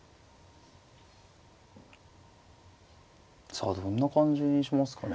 さあどんな感じにしますかね。